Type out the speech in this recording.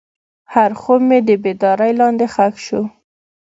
هر خوب مې د بیدارۍ لاندې ښخ شو.